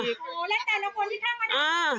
สวัสดีคุณผู้ชายสวัสดีคุณผู้ชาย